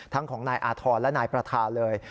ของนายอาธรณ์และนายประธานเลย